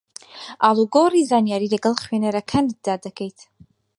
ئاڵوگۆڕی زانیاری لەگەڵ خوێنەرەکانتدا دەکەیت